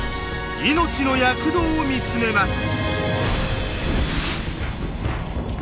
命の躍動を見つめます。